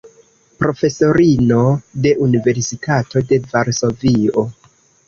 Profesorino de Universitato de Varsovio.